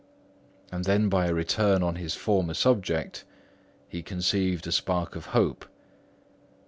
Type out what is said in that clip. And then by a return on his former subject, he conceived a spark of hope.